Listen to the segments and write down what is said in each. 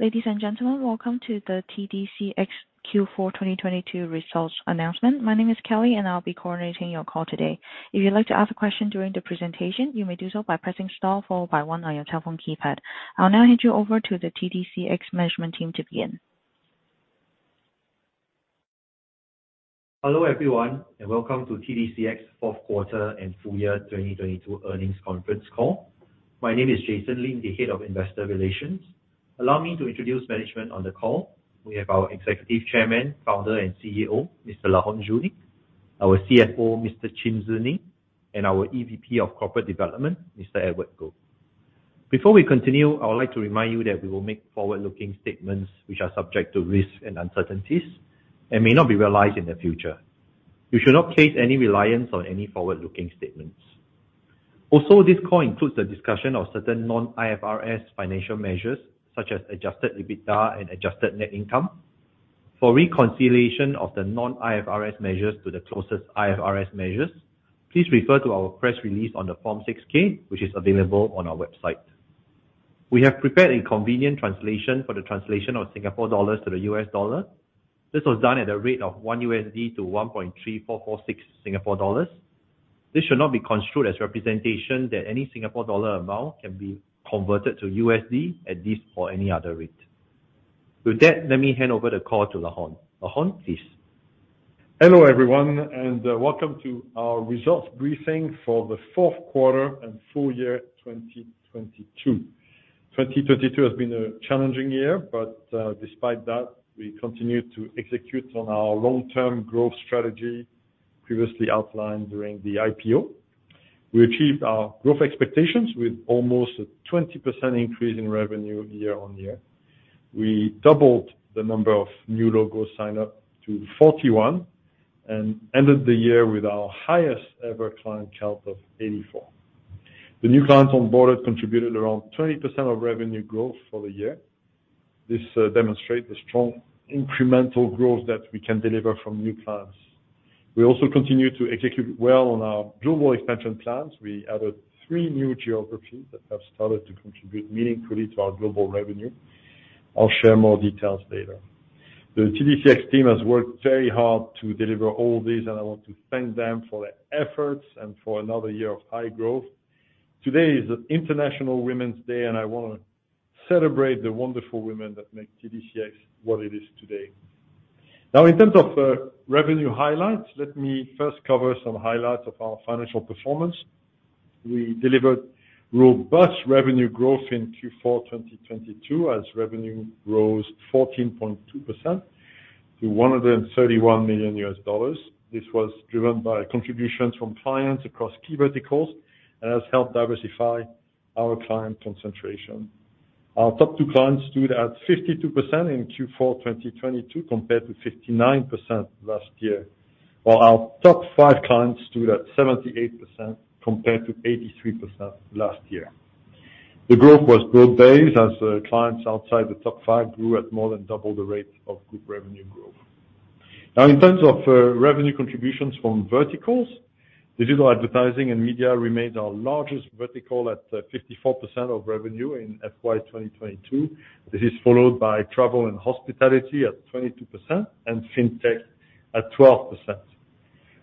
Ladies and gentlemen, welcome to the TDCX Q4 2022 Results Announcement. My name is Kelly, and I'll be coordinating your call today. If you'd like to ask a question during the presentation, you may do so by pressing star followed by one on your telephone keypad. I'll now hand you over to the TDCX management team to begin. Hello, everyone and welcome to TDCX Q4 and Full Year 2022 Earnings Conference Call. My name is Jason Lim, the Head of Investor Relations. Allow me to introduce management on the call. We have our Executive Chairman, Founder, and CEO, Mr. Laurent Junique, our CFO, Mr. Chin Tze Neng, and our EVP of Corporate Development, Mr. Edward Goh. Before we continue, I would like to remind you that we will make forward-looking statements which are subject to risks and uncertainties and may not be realized in the future. You should not place any reliance on any forward-looking statements. Also, this call includes a discussion of certain non-IFRS financial measures, such as adjusted EBITDA and adjusted net income. For reconciliation of the non-IFRS measures to the closest IFRS measures, please refer to our press release on the Form 6-K, which is available on our website. We have prepared a convenient translation for the translation of Singapore dollars to the U.S. dollar. This was done at a rate of 1 USD to 1.3446 Singapore dollars. This should not be construed as representation that any SGD amount can be converted to USD at this or any other rate. With that, let me hand over the call to Laurent. Laurent, please. Hello, everyone, and welcome to our results briefing for the Q4 and full year 2022. 2022 has been a challenging year, despite that, we continued to execute on our long-term growth strategy previously outlined during the IPO. We achieved our growth expectations with almost a 20% increase in revenue year-on-year. We doubled the number of new logos signed up to 41 and ended the year with our highest-ever client count of 84. The new clients on board contributed around 20% of revenue growth for the year. This demonstrate the strong incremental growth that we can deliver from new clients. We also continue to execute well on our global expansion plans. We added three new geographies that have started to contribute meaningfully to our global revenue. I'll share more details later. The TDCX team has worked very hard to deliver all this. I want to thank them for their efforts and for another year of high growth. Today is International Women's Day. I wanna celebrate the wonderful women that make TDCX what it is today. Now, in terms of revenue highlights, let me first cover some highlights of our financial performance. We delivered robust revenue growth in Q4 2022, as revenue rose 14.2% to $131 million. This was driven by contributions from clients across key verticals and has helped diversify our client concentration. Our top two clients stood at 52% in Q4 2022, compared to 59% last year, while our top five clients stood at 78%, compared to 83% last year. The growth was broad-based as clients outside the top five grew at more than double the rate of group revenue growth. In terms of revenue contributions from verticals, digital advertising and media remains our largest vertical at 54% of revenue in FY 2022. This is followed by travel and hospitality at 22% and fintech at 12%.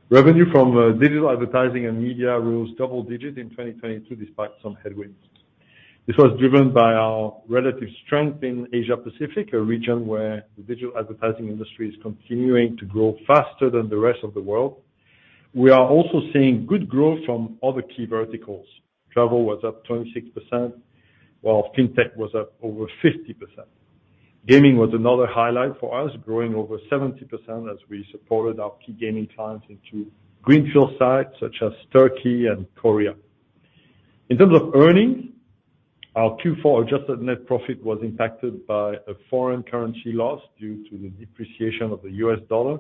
Revenue from digital advertising and media rose double digits in 2022, despite some headwinds. This was driven by our relative strength in Asia Pacific, a region where the digital advertising industry is continuing to grow faster than the rest of the world. We are also seeing good growth from other key verticals. Travel was up 26%, while fintech was up over 50%. Gaming was another highlight for us, growing over 70% as we supported our key gaming clients into greenfield sites such as Turkey and Korea. In terms of earnings, our Q4 adjusted net profit was impacted by a foreign currency loss due to the depreciation of the US dollar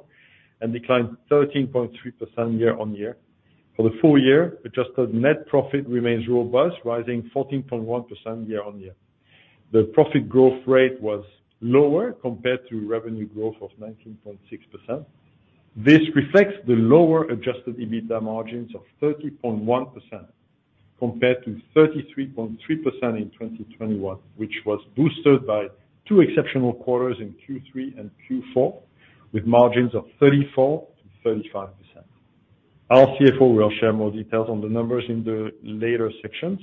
and declined 13.3% year-over-year. For the full year, adjusted net profit remains robust, rising 14.1% year-over-year. The profit growth rate was lower compared to revenue growth of 19.6%. This reflects the lower adjusted EBITDA margins of 30.1% compared to 33.3% in 2021, which was boosted by two exceptional quarters in Q3 and Q4, with margins of 34%-35%. Our CFO will share more details on the numbers in the later sections.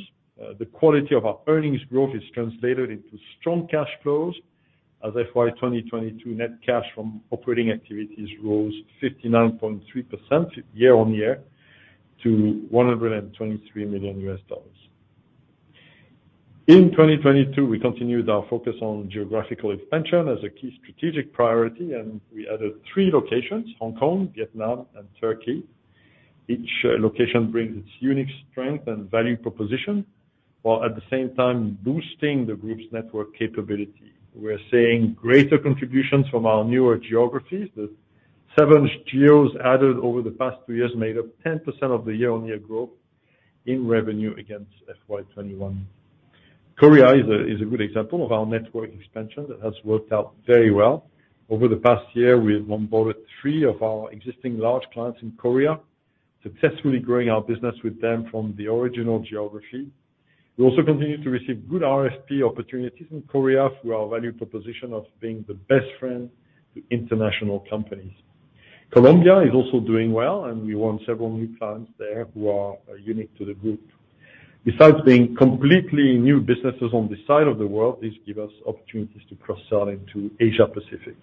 The quality of our earnings growth is translated into strong cash flows as FY 2022 net cash from operating activities rose 59.3% year on year to $123 million. In 2022, we continued our focus on geographical expansion as a key strategic priority, and we added 3 locations: Hong Kong, Vietnam, and Turkey. Each location brings its unique strength and value proposition, while at the same time boosting the group's network capability. We're seeing greater contributions from our newer geographies. The seven geos added over the past two years made up 10% of the year on year growth in revenue against FY 2021. Korea is a good example of our network expansion that has worked out very well. Over the past year, we have onboarded three of our existing large clients in Korea. Successfully growing our business with them from the original geography. We also continue to receive good RFP opportunities in Korea through our value proposition of being the best friend to international companies. Colombia is also doing well. We won several new clients there who are unique to the group. Besides being completely new businesses on this side of the world, this give us opportunities to cross-sell into Asia Pacific.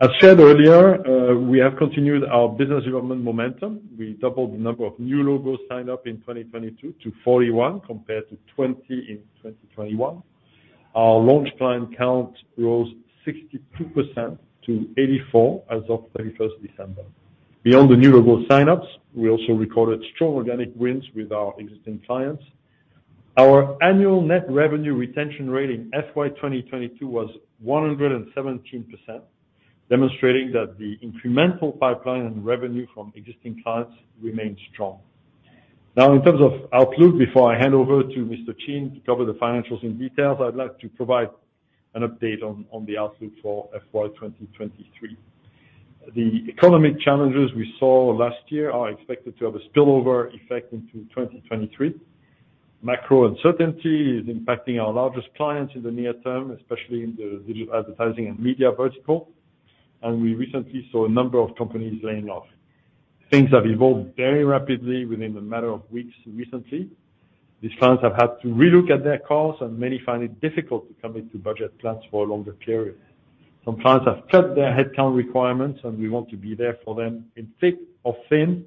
As said earlier, we have continued our business development momentum. We doubled the number of new logos signed up in 2022 to 41, compared to 20 in 2021. Our launch client count rose 62% to 84 as of 31st December. Beyond the new logo sign-ups, we also recorded strong organic wins with our existing clients. Our annual net revenue retention rating FY 2022 was 117%, demonstrating that the incremental pipeline and revenue from existing clients remained strong. In terms of outlook, before I hand over to Mr. Chin to cover the financials in details, I'd like to provide an update on the outlook for FY 2023. The economic challenges we saw last year are expected to have a spillover effect into 2023. Macro uncertainty is impacting our largest clients in the near term, especially in the digital advertising and media vertical. We recently saw a number of companies laying off. Things have evolved very rapidly within a matter of weeks recently. These clients have had to relook at their costs. Many find it difficult to commit to budget plans for a longer period. Some clients have cut their headcount requirements. We want to be there for them in thick or thin.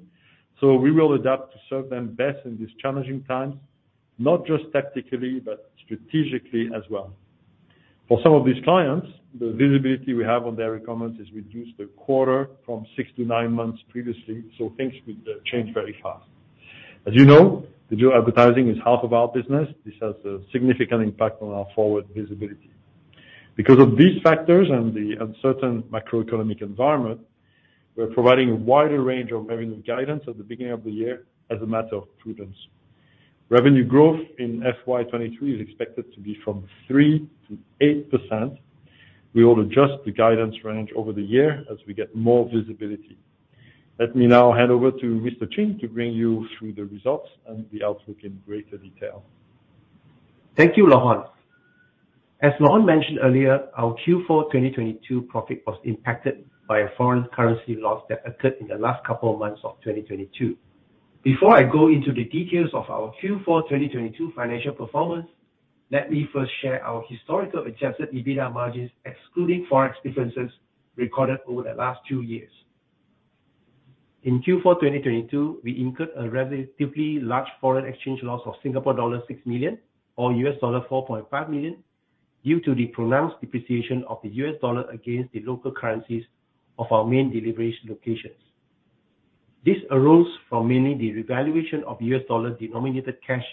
We will adapt to serve them best in these challenging times, not just tactically, but strategically as well. For some of these clients, the visibility we have on their requirements is reduced a quarter from six to nine months previously. Things could change very fast. As you know, digital advertising is half of our business. This has a significant impact on our forward visibility. Because of these factors and the uncertain macroeconomic environment, we're providing a wider range of revenue guidance at the beginning of the year as a matter of prudence. Revenue growth in FY 2023 is expected to be from 3%-8%. We will adjust the guidance range over the year as we get more visibility. Let me now hand over to Mr. Chin to bring you through the results and the outlook in greater detail. Thank you, Laurent. As Laurent mentioned earlier, our Q4 2022 profit was impacted by a foreign currency loss that occurred in the last couple of months of 2022. Before I go into the details of our Q4 2022 financial performance, let me first share our historical adjusted EBITDA margins excluding Forex differences recorded over the last two years. In Q4 2022, we incurred a relatively large foreign exchange loss of Singapore dollar 6 million or $4.5 million due to the pronounced depreciation of the US dollar against the local currencies of our main delivery locations. This arose from mainly the revaluation of US dollar-denominated cash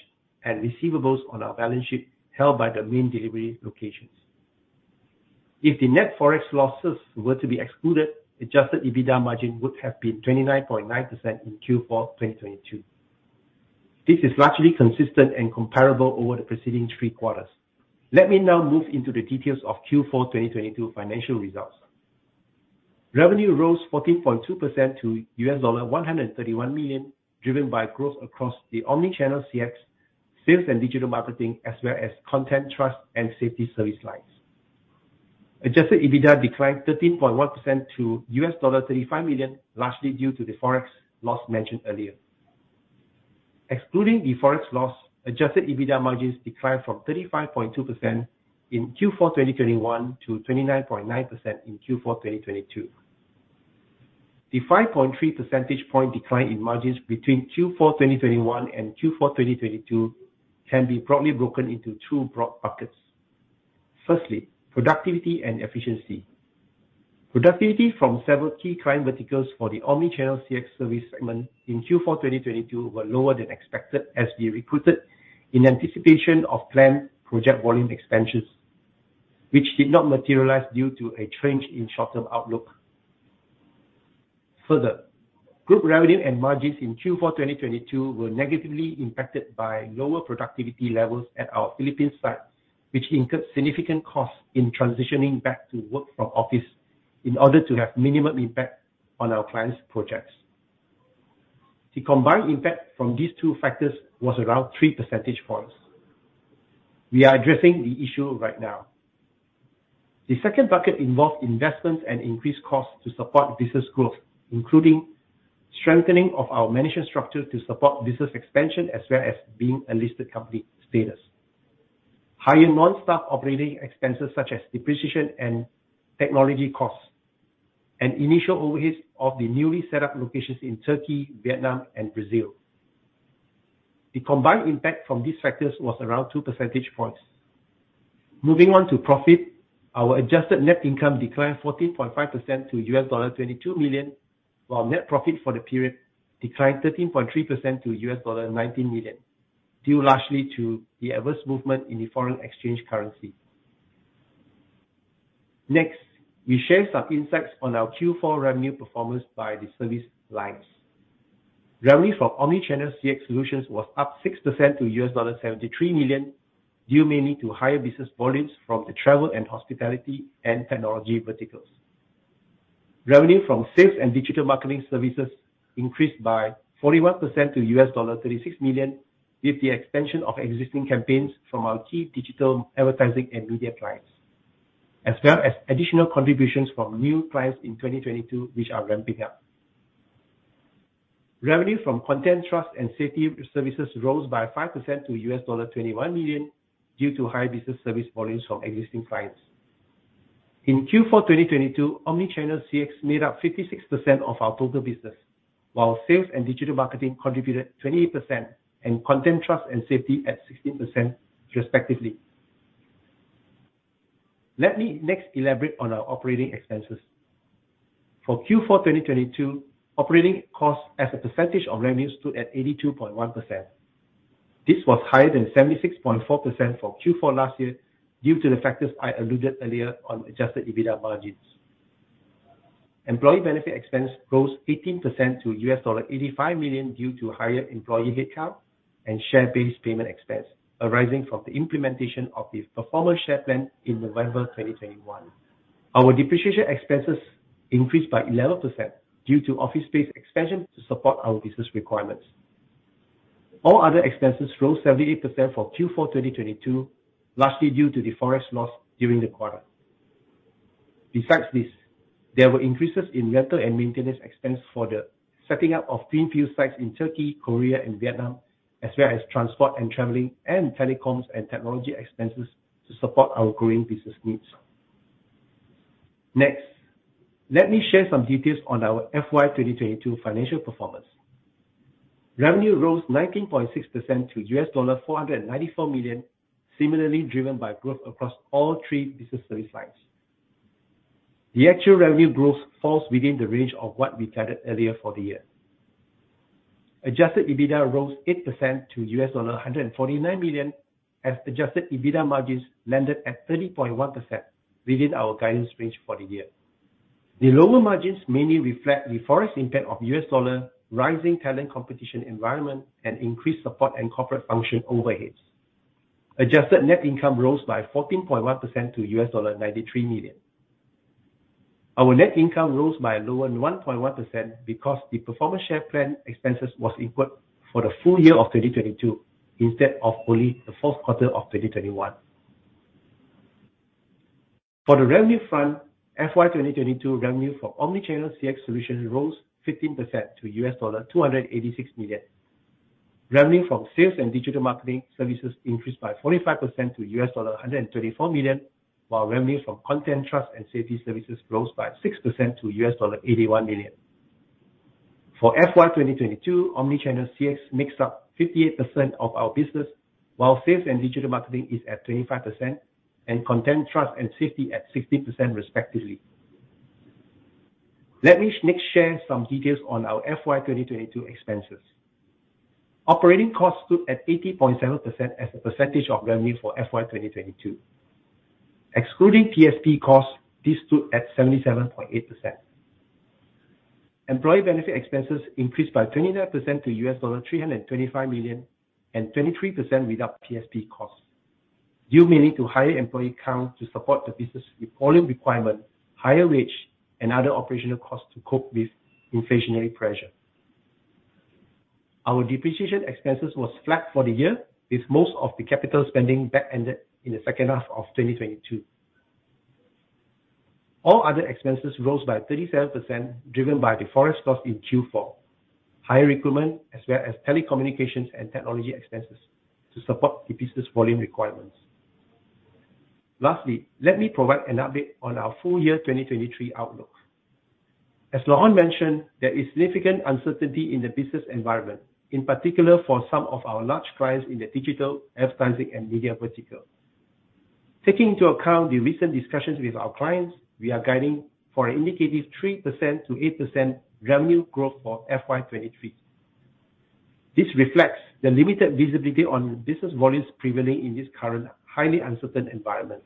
and receivables on our balance sheet held by the main delivery locations. If the net Forex losses were to be excluded, adjusted EBITDA margin would have been 29.9% in Q4 2022. This is largely consistent and comparable over the preceding three quarters. Let me now move into the details of Q4 2022 financial results. Revenue rose 14.2% to $131 million, driven by growth across the omnichannel CX sales and digital marketing, as well as content, trust and safety service lines. Adjusted EBITDA declined 13.1% to $35 million, largely due to the Forex loss mentioned earlier. Excluding the Forex loss, adjusted EBITDA margins declined from 35.2% in Q4 2021 to 29.9% in Q4 2022. The 5.3 percentage point decline in margins between Q4 2021 and Q4 2022 can be broadly broken into two broad buckets. Firstly, productivity and efficiency. Productivity from several key client verticals for the omnichannel CX service segment in Q4 2022 were lower than expected, as we recruited in anticipation of planned project volume expansions, which did not materialize due to a change in short-term outlook. Further, group revenue and margins in Q4 2022 were negatively impacted by lower productivity levels at our Philippines site, which incurred significant costs in transitioning back to work from office in order to have minimum impact on our clients' projects. The combined impact from these two factors was around three percentage points. We are addressing the issue right now. The second bucket involved investments and increased costs to support business growth, including strengthening of our management structure to support business expansion as well as being a listed company status. Higher non-staff operating expenses such as depreciation and technology costs and initial overheads of the newly set up locations in Turkey, Vietnam, and Brazil. The combined impact from these factors was around two percentage points. Moving on to profit, our adjusted net income declined 14.5% to $22 million, while net profit for the period declined 13.3% to $19 million, due largely to the adverse movement in the foreign exchange currency. We share some insights on our Q4 revenue performance by the service lines. Revenue for omnichannel CX solutions was up 6% to $73 million. Due mainly to higher business volumes from the travel and hospitality and technology verticals. Revenue from sales and digital marketing services increased by 41% to $36 million, with the extension of existing campaigns from our key digital advertising and media clients, as well as additional contributions from new clients in 2022 which are ramping up. Revenue from content, trust and safety services rose by 5% to $21 million due to high business service volumes from existing clients. In Q4 2022, omnichannel CX made up 56% of our total business, while sales and digital marketing contributed 28% and content, trust and safety at 16% respectively. Let me next elaborate on our operating expenses. For Q4 2022, operating costs as a percentage of revenues stood at 82.1%. This was higher than 76.4% for Q4 last year due to the factors I alluded earlier on adjusted EBITDA margins. Employee benefit expense rose 18% to $85 million due to higher employee headcount and share-based payment expense arising from the implementation of the Performance Share Plan in November 2021. Our depreciation expenses increased by 11% due to office space expansion to support our business requirements. All other expenses rose 78% for Q4 2022, largely due to the Forex loss during the quarter. There were increases in rental and maintenance expense for the setting up of team field sites in Turkey, Korea, and Vietnam, as well as transport and traveling and telecoms and technology expenses to support our growing business needs. Let me share some details on our FY 2022 financial performance. Revenue rose 19.6% to $494 million, similarly driven by growth across all three business service lines. The actual revenue growth falls within the range of what we guided earlier for the year. Adjusted EBITDA rose 8% to $149 million as adjusted EBITDA margins landed at 30.1% within our guidance range for the year. The lower margins mainly reflect the forex impact of US dollar, rising talent competition environment, and increased support and corporate function overheads. Adjusted net income rose by 14.1% to $93 million. Our net income rose by a lower 1.1% because the Performance Share Plan expenses was input for the full year of 2022 instead of only the Q4 of 2021. For the revenue front, FY 2022 revenue for omnichannel CX solution rose 15% to $286 million. Revenue from sales and digital marketing services increased by 45% to $124 million, while revenue from content, trust and safety services grows by 6% to $81 million. For FY 2022, omnichannel CX makes up 58% of our business, while sales and digital marketing is at 25% and content, trust and safety at 60% respectively. Let me next share some details on our FY 2022 expenses. Operating costs stood at 80.7% as a percentage of revenue for FY 2022. Excluding PSP costs, this stood at 77.8%. Employee benefit expenses increased by 29% to $325 million and 23% without PSP costs, due mainly to higher employee count to support the business volume requirement, higher wage and other operational costs to cope with inflationary pressure. Our depreciation expenses was flat for the year, with most of the capital spending back ended in the second half of 2022. All other expenses rose by 37%, driven by the Forex loss in Q4, higher recruitment as well as telecommunications and technology expenses to support the business volume requirements. Lastly, let me provide an update on our full year 2023 outlook. As Laurent mentioned, there is significant uncertainty in the business environment, in particular for some of our large clients in the digital advertising and media vertical. Taking into account the recent discussions with our clients, we are guiding for an indicative 3%-8% revenue growth for FY 2023. This reflects the limited visibility on business volumes prevailing in this current highly uncertain environment.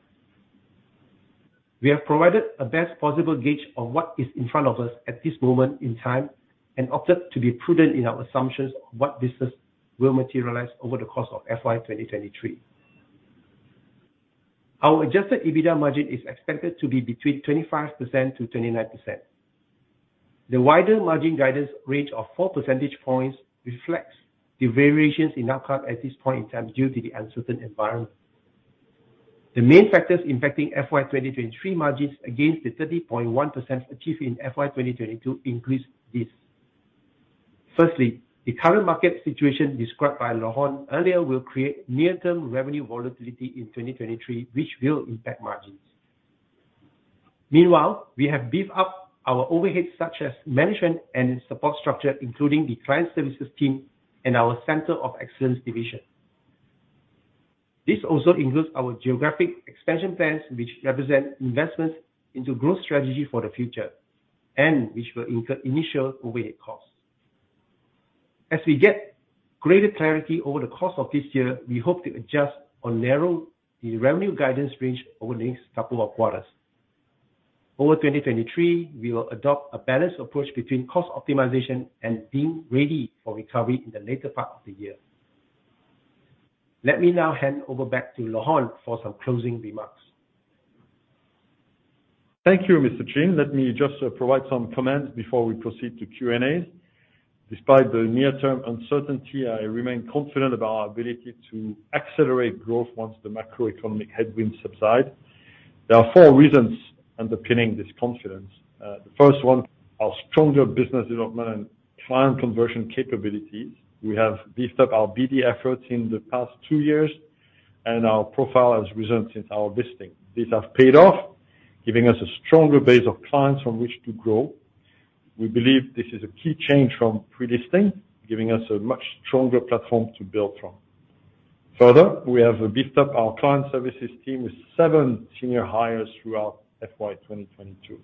We have provided a best possible gauge of what is in front of us at this moment in time and opted to be prudent in our assumptions of what business will materialize over the course of FY 2023. Our adjusted EBITDA margin is expected to be between 25% to 29%. The wider margin guidance range of four percentage points reflects the variations in outcome at this point in time due to the uncertain environment. The main factors impacting FY 2023 margins against the 30.1% achieved in FY 2022 increase this. Firstly, the current market situation described by Laurent earlier will create near-term revenue volatility in 2023 which will impact margins. Meanwhile, we have beefed up our overhead, such as management and support structure, including the client services team and our Center of Excellence division. This also includes our geographic expansion plans which represent investments into growth strategy for the future, which will incur initial overhead costs. As we get greater clarity over the course of this year, we hope to adjust or narrow the revenue guidance range over the next couple of quarters. Over 2023, we will adopt a balanced approach between cost optimization and being ready for recovery in the later part of the year. Let me now hand over back to Laurent for some closing remarks. Thank you, Mr. Chin. Let me just provide some comments before we proceed to Q&A. Despite the near-term uncertainty, I remain confident about our ability to accelerate growth once the macroeconomic headwinds subside. There are four reasons underpinning this confidence. The first one, our stronger business development and client conversion capabilities. We have beefed up our BD efforts in the past two years, and our profile has risen since our listing. These have paid off, giving us a stronger base of clients from which to grow. We believe this is a key change from pre-listing, giving us a much stronger platform to build from. We have beefed up our client services team with seven senior hires throughout FY 2022.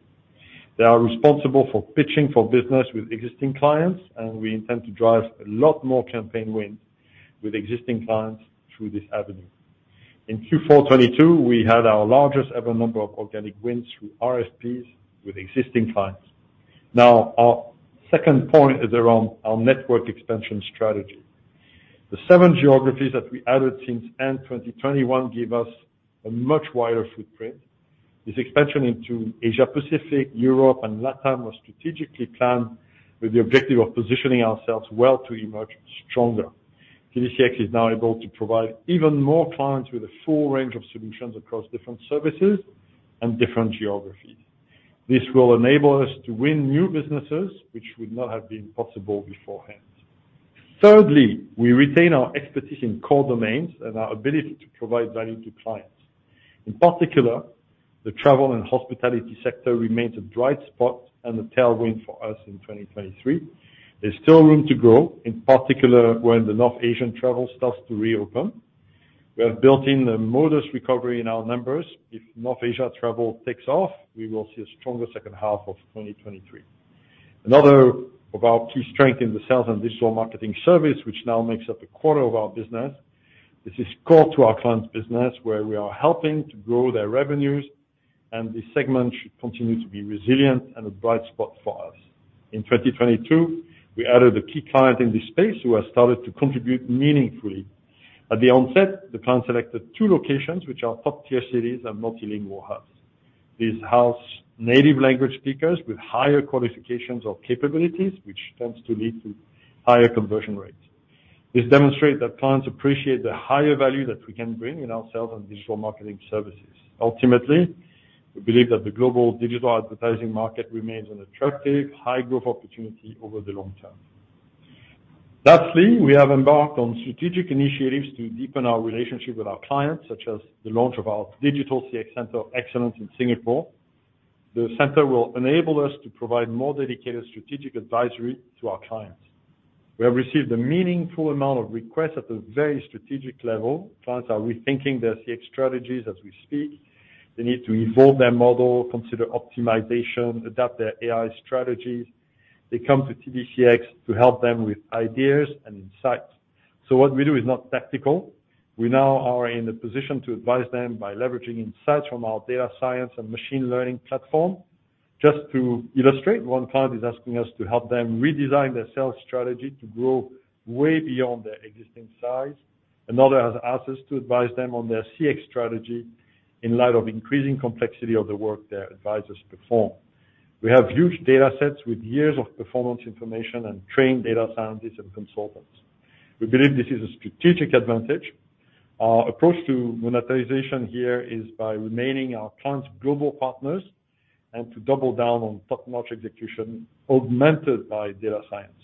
They are responsible for pitching for business with existing clients, and we intend to drive a lot more campaign wins with existing clients through this avenue. In Q4 2022, we had our largest ever number of organic wins through RFPs with existing clients. Our second point is around our network expansion strategy. The seven geographies that we added since end 2021 give us a much wider footprint. This expansion into Asia Pacific, Europe and LATAM was strategically planned with the objective of positioning ourselves well to emerge stronger. TDCX is now able to provide even more clients with a full range of solutions across different services and different geographies. This will enable us to win new businesses which would not have been possible beforehand. Thirdly, we retain our expertise in core domains and our ability to provide value to clients. In particular, the travel and hospitality sector remains a bright spot and a tailwind for us in 2023. There's still room to grow, in particular when the North Asian travel starts to reopen. We have built in a modest recovery in our numbers. If North Asia travel takes off, we will see a stronger second half of 2023. Another of our key strengths in the Sales and Digital Marketing service, which now makes up a quarter of our business. This is core to our clients' business, where we are helping to grow their revenues. This segment should continue to be resilient and a bright spot for us. In 2022, we added a key client in this space who has started to contribute meaningfully. At the onset, the client selected two locations which are top-tier cities and multilingual hubs. These house native language speakers with higher qualifications or capabilities, which tends to lead to higher conversion rates. This demonstrates that clients appreciate the higher value that we can bring in our sales and digital marketing services. Ultimately, we believe that the global digital advertising market remains an attractive high-growth opportunity over the long term. We have embarked on strategic initiatives to deepen our relationship with our clients, such as the launch of our digital CX Center of Excellence in Singapore. The center will enable us to provide more dedicated strategic advisory to our clients. We have received a meaningful amount of requests at a very strategic level. Clients are rethinking their CX strategies as we speak. They need to evolve their model, consider optimization, adapt their AI strategies. They come to TDCX to help them with ideas and insights. What we do is not tactical. We now are in a position to advise them by leveraging insights from our data science and machine learning platform. Just to illustrate, one client is asking us to help them redesign their sales strategy to grow way beyond their existing size. Another has asked us to advise them on their CX strategy in light of increasing complexity of the work their advisors perform. We have huge data sets with years of performance information and trained data scientists and consultants. We believe this is a strategic advantage. Our approach to monetization here is by remaining our clients' global partners and to double down on top-notch execution augmented by data science.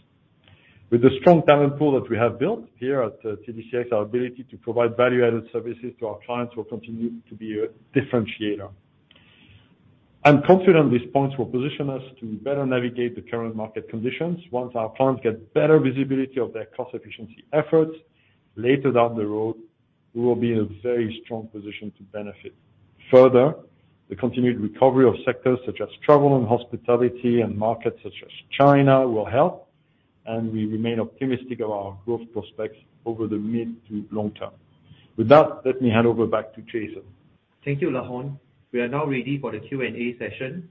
With the strong talent pool that we have built here at TDCX, our ability to provide value-added services to our clients will continue to be a differentiator. I'm confident these points will position us to better navigate the current market conditions. Once our clients get better visibility of their cost efficiency efforts later down the road, we will be in a very strong position to benefit. The continued recovery of sectors such as travel and hospitality and markets such as China will help, and we remain optimistic of our growth prospects over the mid to long term. Let me hand over back to Jason. Thank you, Laurent. We are now ready for the Q&A session.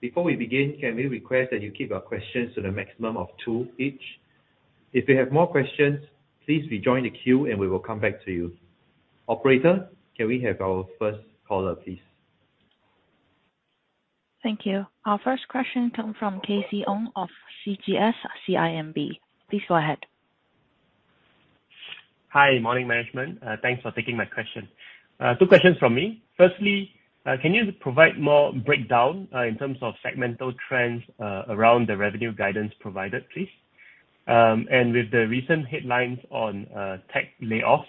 Before we begin, can we request that you keep your questions to the maximum of two each? If you have more questions, please rejoin the queue, and we will come back to you. Operator, can we have our first caller, please? Thank you. Our first question comes from KC Ong of CGS-CIMB. Please go ahead. Hi. Morning, management. Thanks for taking my question. Two questions from me. Firstly, can you provide more breakdown in terms of segmental trends around the revenue guidance provided, please? With the recent headlines on tech layoffs,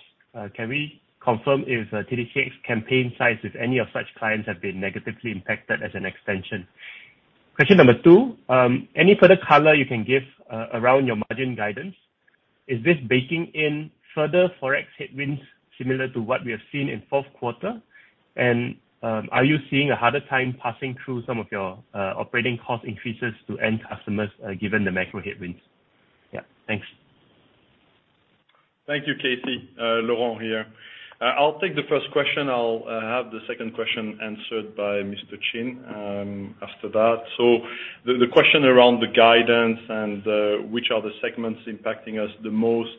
can we confirm if TDCX campaign sites, if any of such clients have been negatively impacted as an extension? Question number two. Any further color you can give around your margin guidance? Is this baking in further Forex headwinds similar to what we have seen in Q4? Are you seeing a harder time passing through some of your operating cost increases to end customers given the macro headwinds? Yeah. Thanks. Thank you, KC. Laurent here. I'll take the first question. I'll have the second question answered by Mr. Chin after that. The question around the guidance and which are the segments impacting us the most,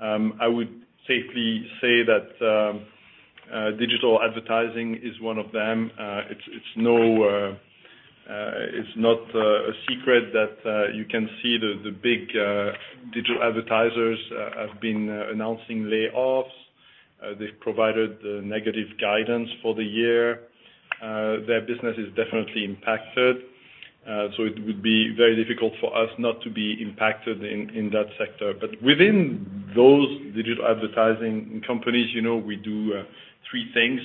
I would safely say that digital advertising is one of them. It's no, it's not a secret that you can see the big digital advertisers have been announcing layoffs. They've provided negative guidance for the year. Their business is definitely impacted. It would be very difficult for us not to be impacted in that sector. Within those digital advertising companies, you know, we do three things.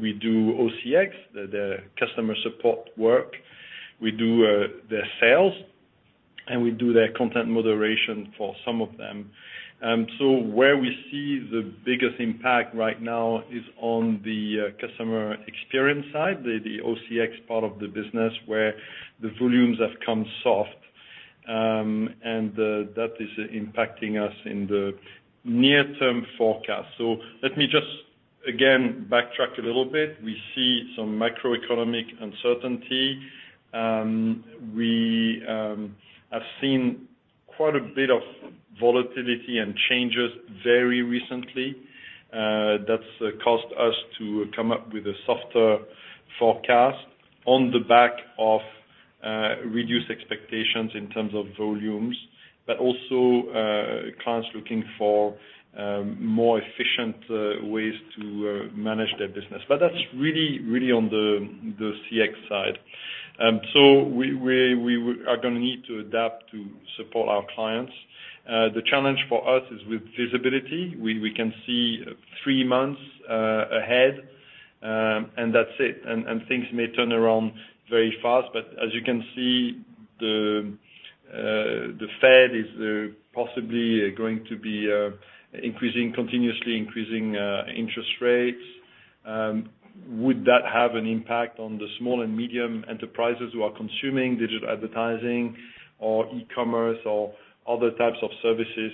We do OCX, the customer support work. We do their sales, and we do their content moderation for some of them. Where we see the biggest impact right now is on the customer experience side, the OCX part of the business where the volumes have come soft. That is impacting us in the near-term forecast. Let me just, again, backtrack a little bit. We see some macroeconomic uncertainty. We have seen quite a bit of volatility and changes very recently. That's caused us to come up with a softer forecast on the back of reduced expectations in terms of volumes, but also clients looking for more efficient ways to manage their business. That's really, really on the CX side. We, we are gonna need to adapt to support our clients. The challenge for us is with visibility. We can see three months ahead, and that's it. Things may turn around very fast, but as you can see, The Fed is possibly going to be increasing, continuously increasing interest rates. Would that have an impact on the small and medium enterprises who are consuming digital advertising or e-commerce or other types of services?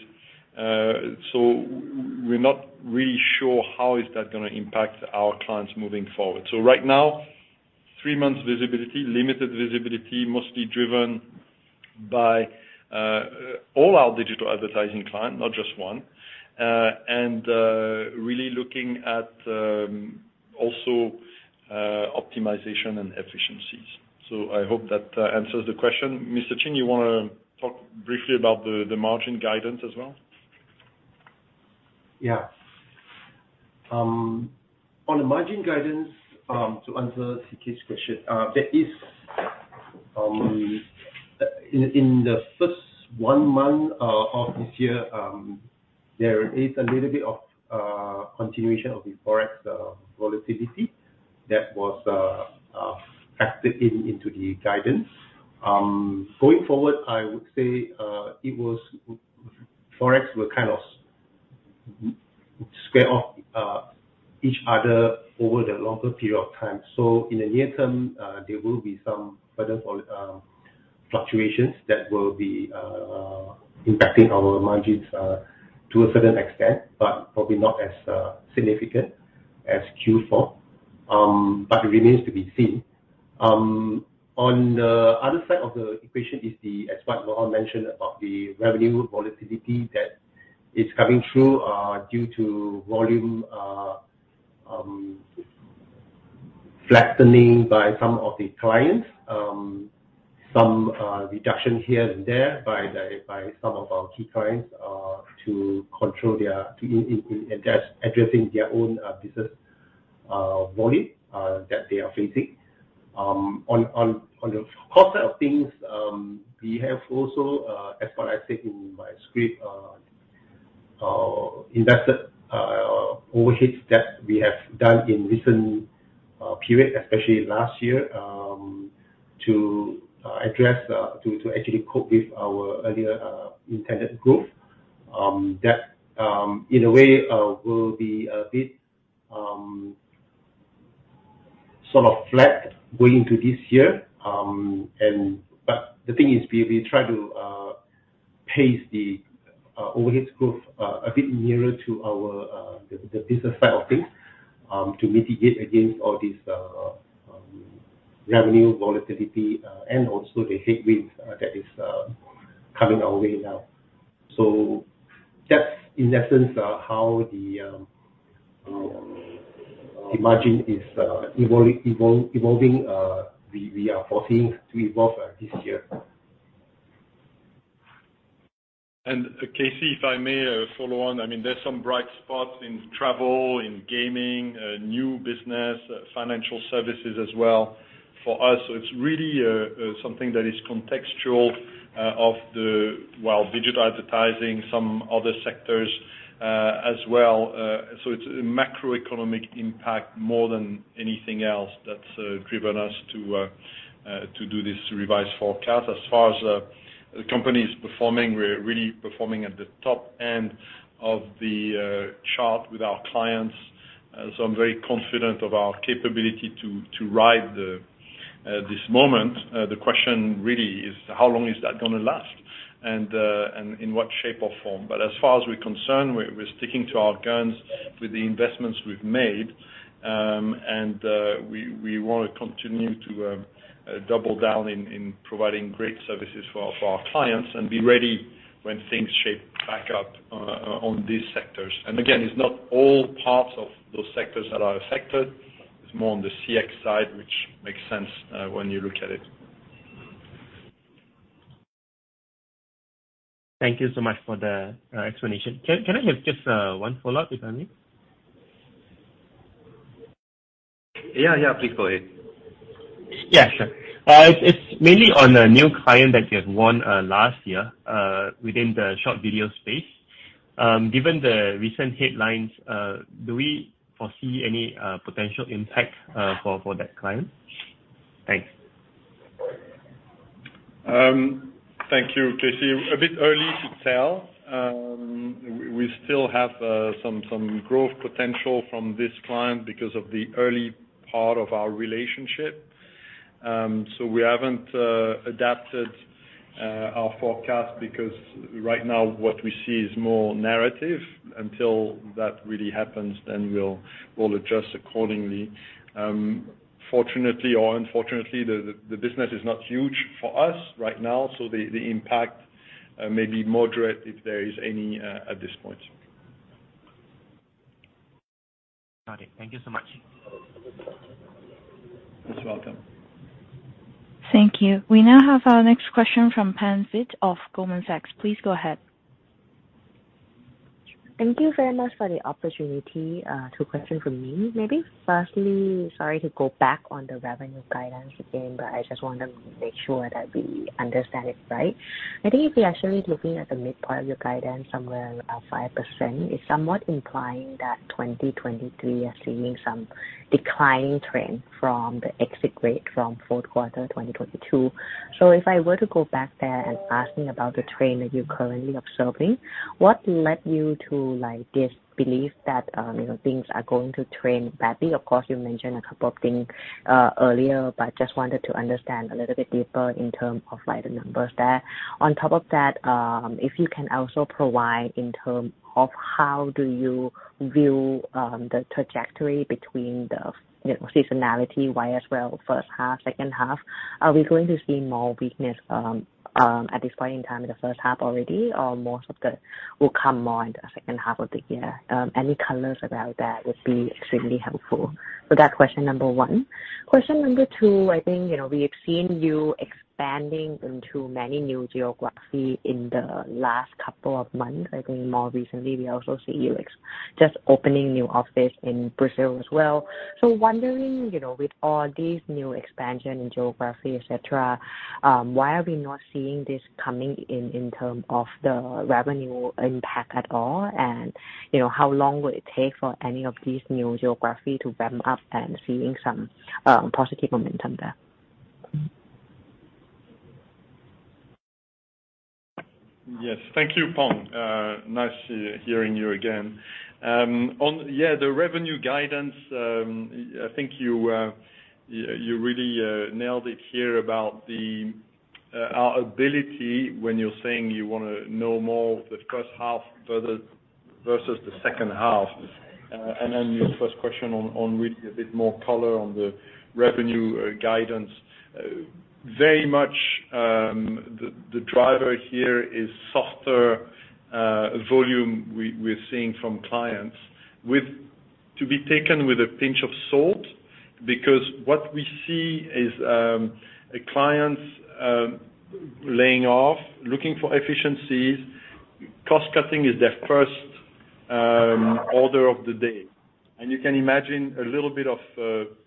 We're not really sure how is that gonna impact our clients moving forward. Right now, three months visibility, limited visibility, mostly driven by all our digital advertising client, not just one, and really looking at also optimization and efficiencies. I hope that answers the question. Mr. Chin, you wanna talk briefly about the margin guidance as well? Yeah. On the margin guidance, to answer KC Ong's question, there is in the first one month of this year, there is a little bit of continuation of the Forex volatility that was factored into the guidance. Going forward, I would say, Forex will kind of square off each other over the longer period of time. So in the near term, there will be some further fluctuations that will be impacting our margins to a certain extent, but probably not as significant as Q4, but it remains to be seen. On the other side of the equation is, as what Laurent mentioned, about the revenue volatility that is coming through due to volume flattening by some of the clients. Some reduction here and there by the, by some of our key clients, to control their addressing their own business volume that they are facing. On the cost side of things, we have also, as what I said in my script, invested overheads that we have done in recent period, especially last year, to address, to actually cope with our earlier intended growth, that, in a way, will be a bit sort of flat going into this year. The thing is we try to pace the overhead growth a bit nearer to our the business side of things to mitigate against all this revenue volatility and also the headwinds that is coming our way now. That's in essence how the margin is evolving we are foreseeing to evolve this year. KC, if I may, follow on. I mean, there's some bright spots in travel, in gaming, new business, financial services as well for us. It's really something that is contextual of the, well, digital advertising, some other sectors as well. It's a macroeconomic impact more than anything else that's driven us to do this revised forecast. As far as the company is performing, we're really performing at the top end of the chart with our clients. I'm very confident of our capability to ride the, at this moment, the question really is how long is that gonna last, and in what shape or form? As far as we're concerned, we're sticking to our guns with the investments we've made. We wanna continue to double down in providing great services for our clients and be ready when things shape back up on these sectors. Again, it's not all parts of those sectors that are affected. It's more on the CX side, which makes sense when you look at it. Thank you so much for the explanation. Can I have just one follow-up, if I may? Yeah, please go ahead. Yeah, sure. It's mainly on a new client that you have won last year within the short video space. Given the recent headlines, do we foresee any potential impact for that client? Thanks. Thank you, KC. A bit early to tell. We still have some growth potential from this client because of the early part of our relationship. We haven't adapted our forecast because right now what we see is more narrative. Until that really happens, then we'll adjust accordingly. Fortunately or unfortunately, the business is not huge for us right now, so the impact may be moderate if there is any at this point. Got it. Thank you so much. You're welcome. Thank you. We now have our next question from Pang Vitt of Goldman Sachs. Please go ahead. Thank you very much for the opportunity to question from me. Maybe firstly, sorry to go back on the revenue guidance again, but I just wanna make sure that we understand it right. I think if you're actually looking at the mid part of your guidance, somewhere around 5%, it's somewhat implying that 2023, you're seeing some declining trend from the exit rate from Q4 2022. If I were to go back there and asking about the trend that you're currently observing, what led you to, like, this belief that, you know, things are going to trend badly? Of course, you mentioned a couple of things earlier, but just wanted to understand a little bit deeper in terms of, like, the numbers there. On top of that, if you can also provide in terms of how do you view, you know, the trajectory between seasonality, Y as well, first half, second half? Are we going to see more weakness at this point in time in the first half already, or most of the will come more in the second half of the year? Any colors about that would be extremely helpful. That's question number one. Question number two, I think, you know, we have seen you expanding into many new geographies in the last couple of months. I think more recently, we also see you just opening new office in Brazil as well. Wondering, you know, with all these new expansion in geographies, et cetera, why are we not seeing this coming in terms of the revenue impact at all? You know, how long will it take for any of these new geography to ramp up and seeing some positive momentum there? Yes. Thank you, Pang. Nice hearing you again. Yeah, the revenue guidance, I think you really nailed it here about the our ability when you're saying you wanna know more the first half versus the second half. Your first question on giving a bit more color on the revenue guidance. Very much, the driver here is softer volume we're seeing from clients. To be taken with a pinch of salt, because what we see is clients laying off, looking for efficiencies. Cost-cutting is their first order of the day. You can imagine a little bit of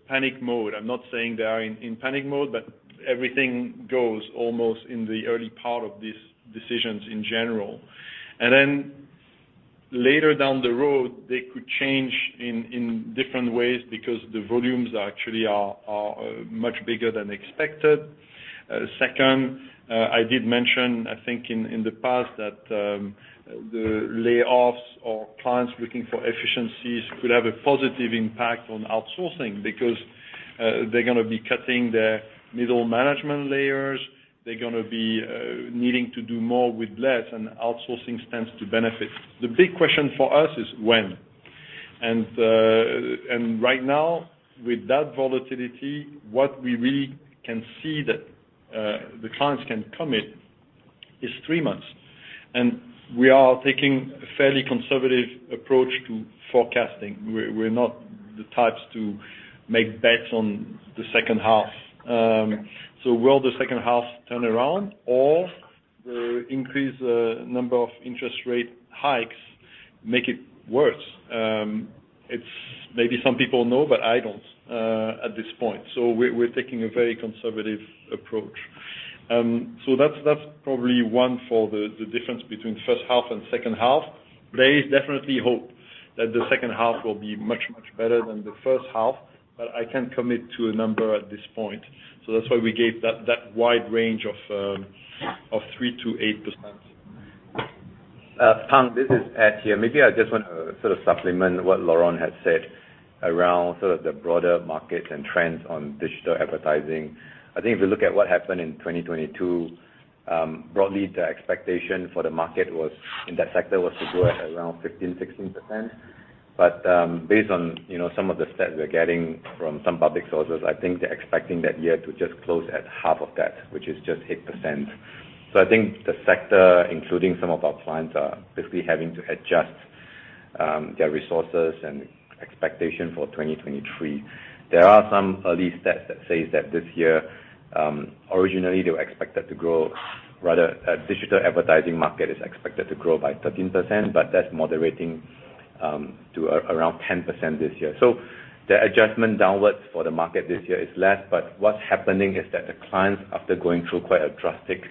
panic mode. I'm not saying they are in panic mode, but everything goes almost in the early part of these decisions in general. Then later down the road, they could change in different ways because the volumes actually are much bigger than expected. Second, I did mention, I think in the past that the layoffs or clients looking for efficiencies could have a positive impact on outsourcing because they're gonna be cutting their middle management layers. They're gonna be needing to do more with less, outsourcing stands to benefit. The big question for us is when. Right now, with that volatility, what we really can see that the clients can commit is three months. We are taking a fairly conservative approach to forecasting. We're not the types to make bets on the second half. Will the second half turn around or will increased number of interest rate hikes make it worse? Maybe some people know, but I don't at this point. We're taking a very conservative approach. That's probably one for the difference between first half and second half. There is definitely hope that the second half will be much, much better than the first half, but I can't commit to a number at this point. That's why we gave that wide range of 3% to 8%. Pang, this is Ed here. Maybe I just want to sort of supplement what Laurent has said around sort of the broader market and trends on digital advertising. I think if you look at what happened in 2022, broadly, the expectation for the market was, in that sector, was to grow at around 15%-16%. Based on, you know, some of the stats we're getting from some public sources, I think they're expecting that year to just close at half of that, which is just 8%. I think the sector, including some of our clients, are basically having to adjust their resources and expectation for 2023. There are some early stats that says that this year, originally they were expected to grow, digital advertising market is expected to grow by 13%. That's moderating to around 10% this year. The adjustment downwards for the market this year is less. What's happening is that the clients, after going through quite a drastic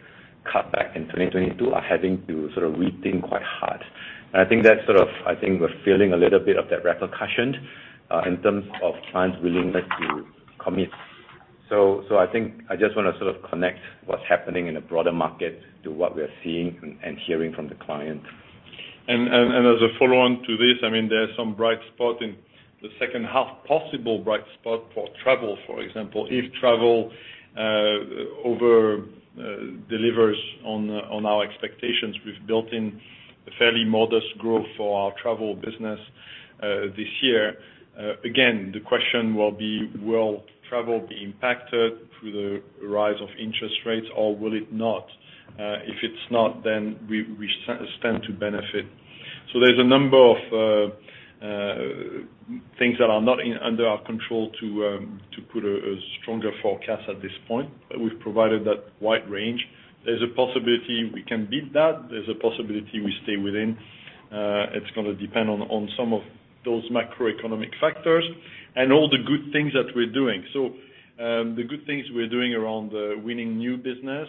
cutback in 2022, are having to sort of rethink quite hard. I think that's sort of. I think we're feeling a little bit of that repercussion in terms of clients' willingness to commit. I think I just wanna sort of connect what's happening in the broader market to what we're seeing and hearing from the clients. As a follow-on to this, I mean, there's some bright spot in the second half, possible bright spot for travel, for example. If travel, over, delivers on our expectations, we've built in a fairly modest growth for our travel business this year. Again, the question will be, will travel be impacted through the rise of interest rates, or will it not? If it's not, then we stand to benefit. There's a number of things that are not under our control to put a stronger forecast at this point. We've provided that wide range. There's a possibility we can beat that. There's a possibility we stay within. It's gonna depend on some of those macroeconomic factors and all the good things that we're doing. The good things we're doing around winning new business,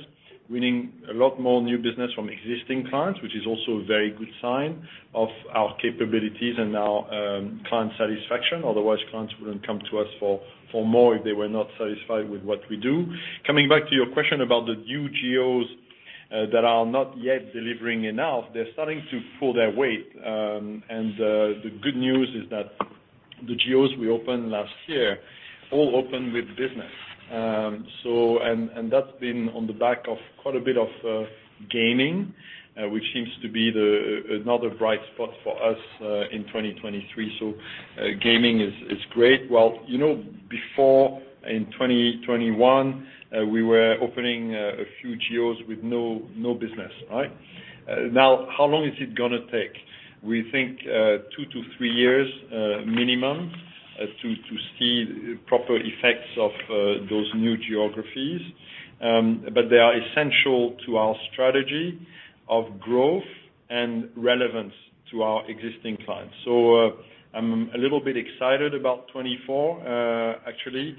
winning a lot more new business from existing clients, which is also a very good sign of our capabilities and our client satisfaction. Otherwise, clients wouldn't come to us for more if they were not satisfied with what we do. Coming back to your question about the new geos that are not yet delivering enough, they're starting to pull their weight. The good news is that the geos we opened last year all opened with business. That's been on the back of quite a bit of gaming, which seems to be another bright spot for us in 2023. Gaming is great. Well, you know, before in 2021, we were opening a few geos with no business, right? Now, how long is it gonna take? We think, two to three years, minimum, to see proper effects of those new geographies. They are essential to our strategy of growth and relevance to our existing clients. I'm a little bit excited about 2024, actually,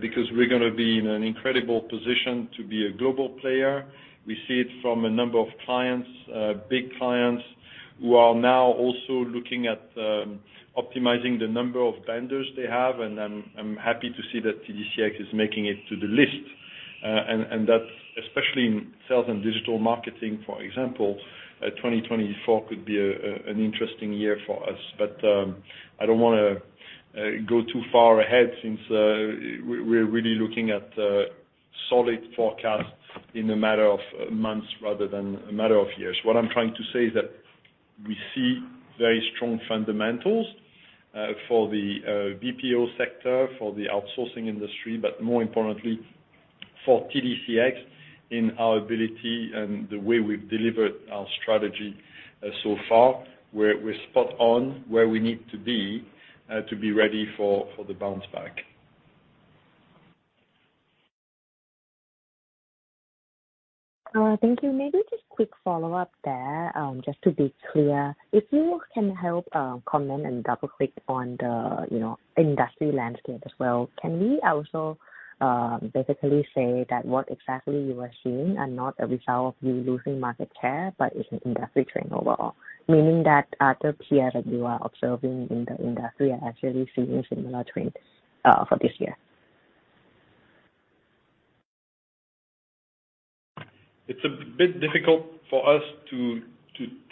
because we're gonna be in an incredible position to be a global player. We see it from a number of clients, big clients who are now also looking at, optimizing the number of vendors they have, and I'm happy to see that TDCX is making it to the list. That's especially in sales and digital marketing, for example, 2024 could be an interesting year for us. I don't wanna go too far ahead since we're really looking at a solid forecast in a matter of months rather than a matter of years. What I'm trying to say is that we see very strong fundamentals for the BPO sector, for the outsourcing industry, but more importantly for TDCX in our ability and the way we've delivered our strategy so far. We're spot on where we need to be to be ready for the bounce back. Thank you. Maybe just quick follow-up there, just to be clear. If you can help comment and double-click on the, you know, industry landscape as well. Can we also basically say that what exactly you are seeing are not a result of you losing market share, but it's an industry trend overall? Meaning that other peers that you are observing in the industry are actually seeing similar trends for this year. It's a bit difficult for us to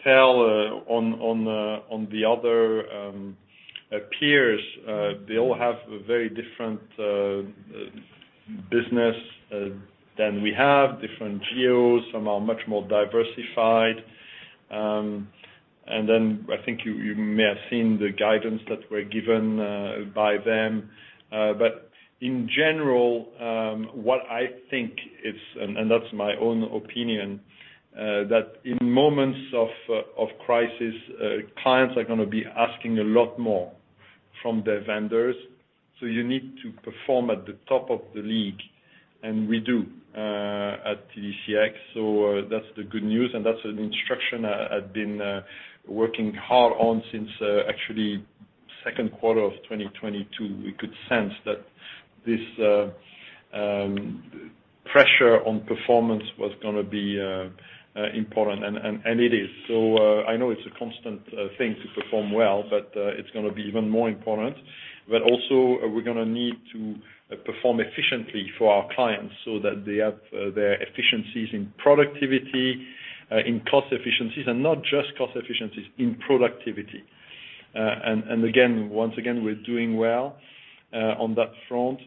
tell on the other peers. They all have a very different business than we have, different geos. Some are much more diversified. I think you may have seen the guidance that were given by them. In general, what I think is, and that's my own opinion, that in moments of crisis, clients are gonna be asking a lot more from their vendors. You need to perform at the top of the league, and we do at TDCX. That's the good news, and that's an instruction I've been working hard on since actually Q2 of 2022. We could sense that this pressure on performance was gonna be important and it is. I know it's a constant thing to perform well, but it's gonna be even more important. Also, we're gonna need to perform efficiently for our clients so that they have their efficiencies in productivity, in cost efficiencies, and not just cost efficiencies, in productivity. Again, once again, we're doing well on that front.